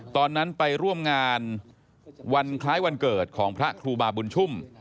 ตอนนั้นไปร่วมงานวันคล้ายวันเกิดของพระครูบาบุญชุ่ม